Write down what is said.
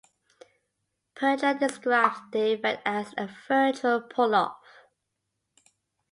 Pedler describes the effect as a "virtual pull-off".